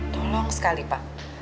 tolong sekali pak